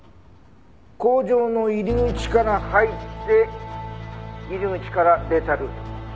工場の入り口から入って入り口から出たルート。